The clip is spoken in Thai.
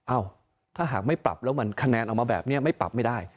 เอ้าถ้าหากไม่ปรับแล้วมันคะแนนออกมาแบบนี้ไม่ปรับไม่ได้